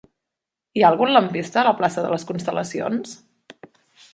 Hi ha algun lampista a la plaça de les Constel·lacions?